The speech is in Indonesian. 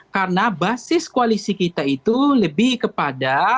karena basis koalisi kita itu lebih kepada